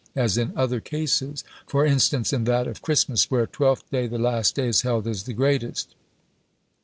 _ as in other cases, for instance in that of Christmas, where Twelfth day, the last day, is held as the greatest.